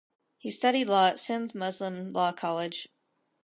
He studied law at Sindh Muslim Law College.